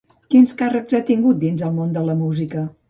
Quins càrrecs ha tingut dins el món de la música?